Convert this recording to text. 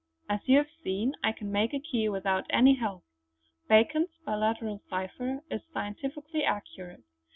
As you have seen, I can make a key without any help. Bacon's biliteral cipher is scientifically accurate.